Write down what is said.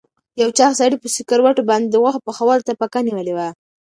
یو چاغ سړي په سکروټو باندې د غوښو پخولو ته پکه نیولې وه.